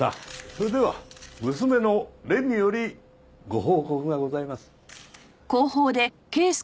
それでは娘の麗美よりご報告がございます。